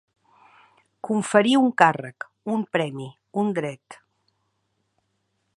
Conferir un càrrec, un premi, un dret.